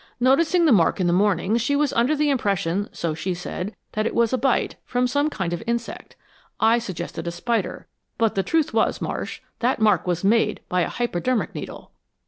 Noticing the mark in the morning, she was under the impression, so she said, that it was a bite, from some kind of insect I suggested a spider. But the truth was, Marsh, that mark was made by a hypodermic needle!"